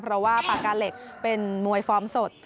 เพราะว่าปากกาเหล็กเป็นมวยฟอร์มสด